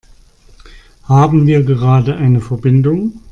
Haben wir gerade eine Verbindung?